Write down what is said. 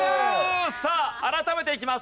さあ改めていきます。